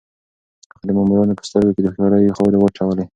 هغه د مامورانو په سترګو کې د هوښيارۍ خاورې واچولې.